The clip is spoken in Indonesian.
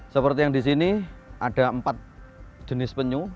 seperti yang di sini ada empat jenis penyu